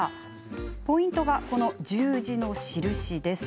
ポイントはこの十字の印です。